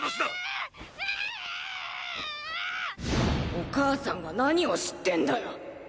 お母さんが何を知ってんだよ！？